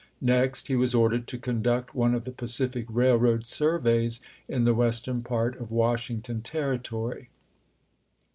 Next, he was ordered to con duct one of the Pacific Railroad surveys in the western part of Washington Territory.